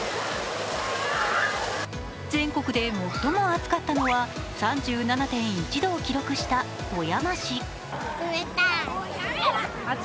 全国で最も暑かったのは３７．１度を記録した富山市。